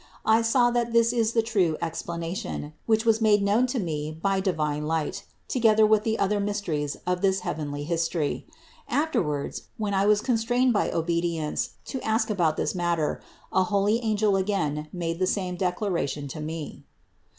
I saw that this is the true explanation, which was made known to me by divine light together with the other mysteries of this heavenly history; afterwards, when I was constrained by obe dience to ask about this matter, a holy angel again made the same declaration to me.